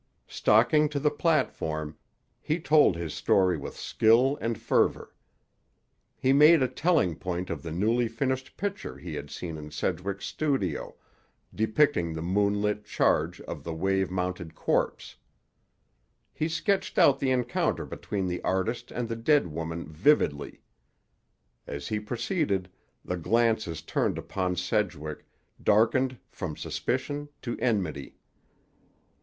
Stalking to the platform, he told his story with skill and fervor. He made a telling point of the newly finished picture he had seen in Sedgwick's studio, depicting the moonlit charge of the wave mounted corpse. He sketched out the encounter between the artist and the dead woman vividly. As he proceeded, the glances turned upon Sedgwick darkened from suspicion to enmity.